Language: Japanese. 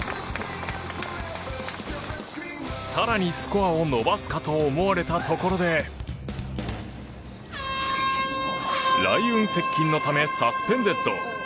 更にスコアを伸ばすかと思われたところで雷雲接近のためサスペンデッド。